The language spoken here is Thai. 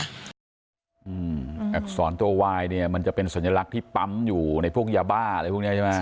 อักษรตัววายเนี่ยมันจะเป็นสัญลักษณ์ที่ปั๊มอยู่ในพวกยาบ้าอะไรพวกนี้ใช่ไหม